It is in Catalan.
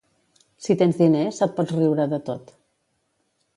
Si tens diners, et pots riure de tot.